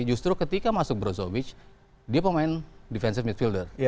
justru ketika masuk brozovic dia pemain defensive midfielder